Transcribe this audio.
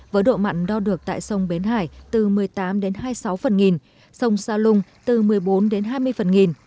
với độ mặn đo được tại sông bến hải từ một mươi tám đến hai mươi sáu phần nghìn sông sa lung từ một mươi bốn đến hai mươi phần nghìn